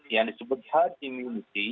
yang disebut herd immunity